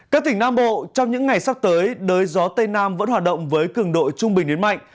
các tỉnh nam bộ trong những ngày sắp tới đới gió tây nam vẫn hoạt động với cường độ trung bình đến mạnh